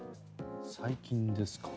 最近ですか。